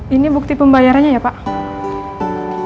ini bukti pembayarannya ya pak